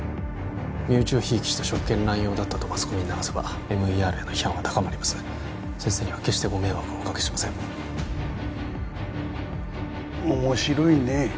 身内をひいきした職権乱用だったとマスコミに流せばＭＥＲへの批判は高まります先生には決してご迷惑はおかけしません面白いね